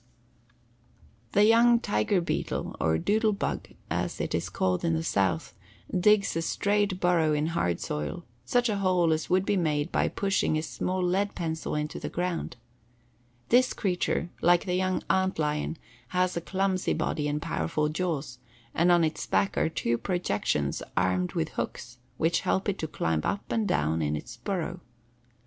The young tiger beetle, or "doodle bug," as it is called in the South, digs a straight burrow in hard soil, such a hole as would be made by pushing a small lead pencil into the ground. This creature, like the young ant lion, has a clumsy body and powerful jaws, and on its back are two projections armed with hooks which help it to climb up and down in its burrow.